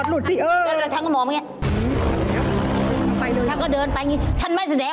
นี่คุณได้อย่างนี้ใช่ไหมอ่าฉันก็หยุดหมอง